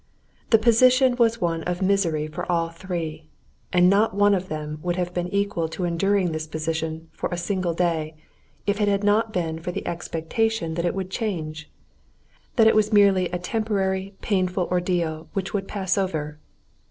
The position was one of misery for all three; and not one of them would have been equal to enduring this position for a single day, if it had not been for the expectation that it would change, that it was merely a temporary painful ordeal which would pass over.